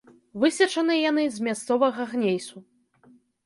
Высечаны яны з мясцовага гнейсу.